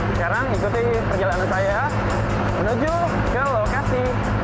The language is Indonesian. sekarang ikuti perjalanan saya menuju ke lokasi